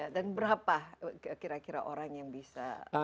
dan berapa kira kira orang yang bisa